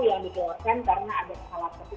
yang dikeluarkan karena ada kesalahan ketik